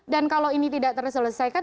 dan kalau ini tidak terselesaikan